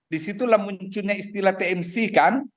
disitulah munculnya istilah tmc kan